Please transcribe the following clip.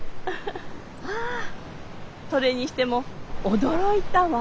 あそれにしても驚いたわ。